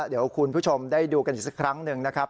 เดี๋ยวคุณผู้ชมได้ดูกันอีกสักครั้งหนึ่งนะครับ